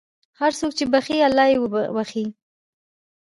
هر څوک چې بښي، الله یې بښي.